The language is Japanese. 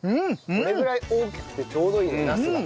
これぐらい大きくてちょうどいいねナスが。